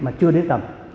mà chưa đến tầm